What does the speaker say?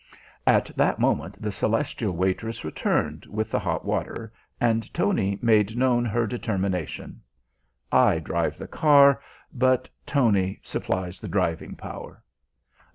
At that moment the celestial waitress returned with the hot water, and Tony made known her determination. I drive the car, but Tony supplies the driving power.